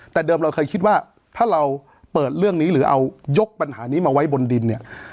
แต่เดิมเราเคยคิดว่าถ้าเราเปิดเรื่องนี้หรือเอายกปัญหานี้มาไว้บนดินเนี่ย